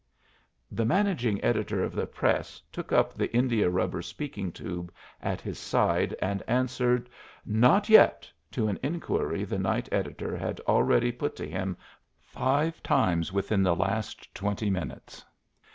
The managing editor of the Press took up the india rubber speaking tube at his side, and answered, "Not yet," to an inquiry the night editor had already put to him five times within the last twenty minutes.